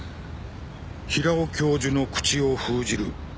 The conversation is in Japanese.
「平尾教授の口を封じる」。